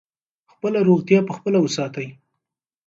خپله روغتیا په خپله وساتئ.